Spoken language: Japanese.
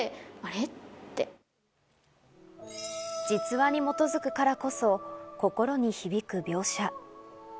実話に基づくからこそ心に響く描写。